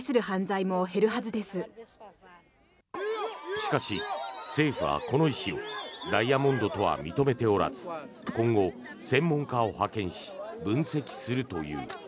しかし、政府はこの石をダイヤモンドとは認めておらず今後、専門家を派遣し分析するという。